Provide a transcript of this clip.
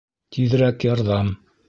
Тиҙерәк ярҙам...